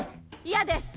嫌です！